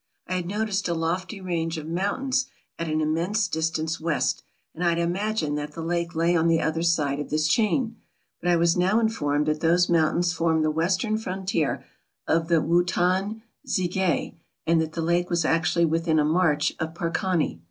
I had noticed a lofty range of mountains at an immense distance west, and I had imagined that the lake lay on the other side of this chain; but I was now informed that those mountains formed the western frontier of the M'wootan N'zige, and that the lake was actually within a march of Parkani.